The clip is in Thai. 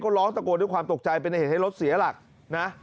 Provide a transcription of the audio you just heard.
ร้องตะโกนด้วยความตกใจเป็นเหตุให้รถเสียหลักนะ